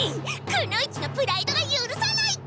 くの一のプライドがゆるさない！